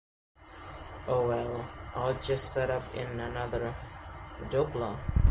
Oh well, I'll just set up in another Qdoba.